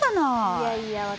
いやいや私